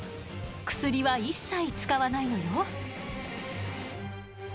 薬は一切使わないのよ。